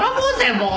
もう！